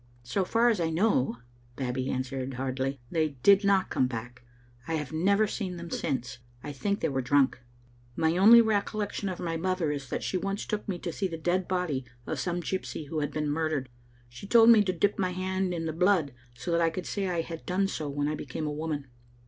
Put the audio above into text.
"So far as I know," Babbie answered hardly, "they did not come back. I have never seen them since. I think they were drunk. My only recollection of my mother is that she once took me to see the dead body of some gypsy who had been murdered. She told me to dip my hand in the blood, so that I could say I had done so when I became a woman.